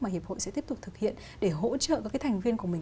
mà hiệp hội sẽ tiếp tục thực hiện để hỗ trợ các cái thành viên của mình